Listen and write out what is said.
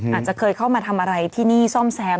อาจจะเคยเข้ามาทำอะไรที่นี่ซ่อมแซม